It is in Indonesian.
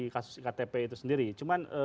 kasus iktp itu sendiri cuman